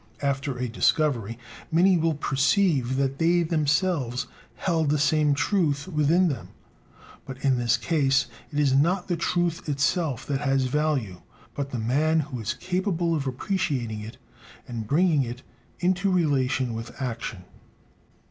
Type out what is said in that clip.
After a discovery, many will perceive that they themselves held the same truth within them; but in this case it is not the truth itself that has value, but the man who is capable of appreciating it and bringing it into relation with action.